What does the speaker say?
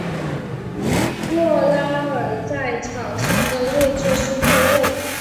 沃拉尔在场上的位置是后卫。